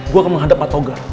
gua akan menghadap patoga